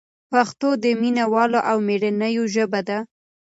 پښتو د مینه والو او مېړنیو ژبه ده.